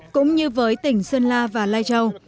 cũng như với tỉnh sơn la và lai châu